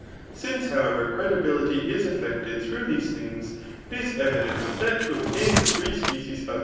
Since, however, credibiiity is efiectisd through these things, it is evident that tabhtaia tbe diree species of.